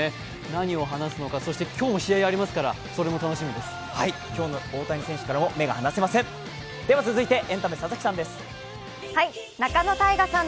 何を話すのかそして今日も試合ありますから今日の大谷選手からも目が離せません。